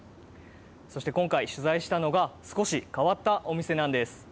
そして今回、取材したのが、少し変わったお店なんです。